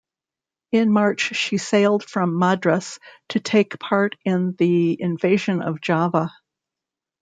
In March she sailed from Madras to take part in the invasion of Java.